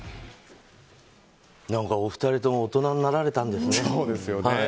何かお二人とも大人になられたんですね。